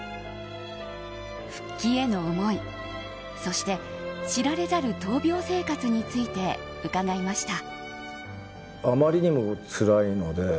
復帰への思い、そして知られざる闘病生活について伺いました。